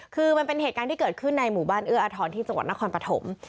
คือมันเป็นเหตุการณ์ที่เกิดขึ้นในหมู่บ้านเอื้ออาทรที่จังหวัดนครปฐม